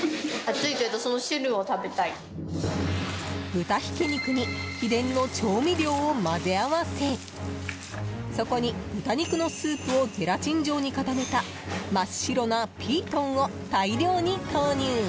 豚ひき肉に秘伝の調味料を混ぜ合わせそこに、豚肉のスープをゼラチン状に固めた真っ白なピートンを大量に投入。